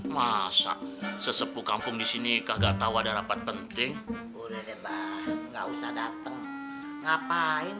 masa sesepuh kampung di sini kagak tahu ada rapat penting udah deh mbak nggak usah dateng ngapain